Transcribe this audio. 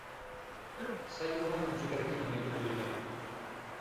Saioa musikarekin amaituko dute.